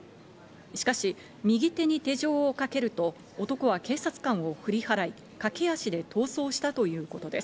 しかし右手に手錠をかけると、男は警察官を振り払い、駆け足で逃走したということです。